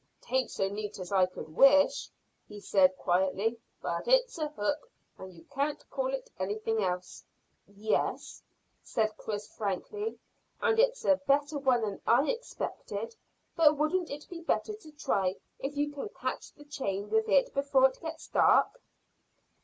"'Taint so neat as I could wish," he said quietly; "but it is a hook, and you can't call it anything else." "Yes," said Chris frankly, "and it's a better one than I expected; but wouldn't it be better to try if you can catch the chain with it before it gets dark?"